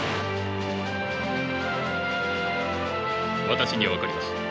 私には分かります。